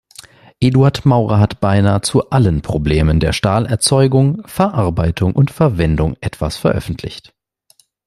Eduard Maurer hat beinahe zu allen Problemen der Stahlerzeugung, -verarbeitung und -verwendung etwas veröffentlicht.